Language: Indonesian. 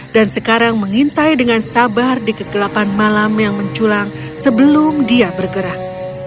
dan sekarang mengintai dengan sabar di kegelapan malam yang menculang sebelum dia bergerak